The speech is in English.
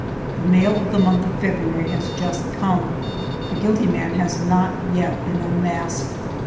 The mail of the month of February has just come. The guilty man has not yet been unmasked.